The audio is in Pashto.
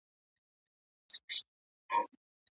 هغه له تا څخه غوښتنه وکړه چي د يوسف سورت تفسير وليکې؟